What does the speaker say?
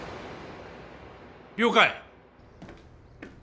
了解！